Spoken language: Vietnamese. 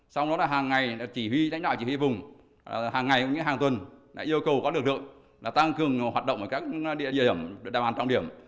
sau đó là hàng ngày đánh đoại chỉ huy vùng hàng ngày cũng như hàng tuần yêu cầu các lực lượng tăng cường hoạt động ở các địa điểm đảm bản trọng điểm